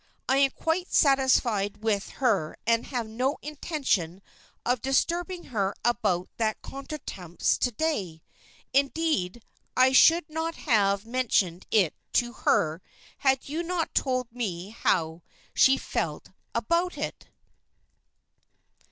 I am quite satisfied with her and have no intention of disturbing her about that contretemps to day. Indeed, I should not have mentioned it to her had you not told me how she felt about it.